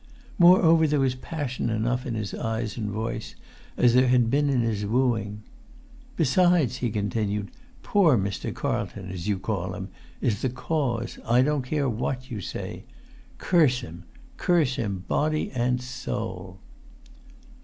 Moreover there was passion enough in his eyes and voice, as there had been in his wooing. "Besides," he continued, "poor Mr. Carlton, as you call him, is the cause, I don't care what you say. Curse him! Curse him, body and soul!"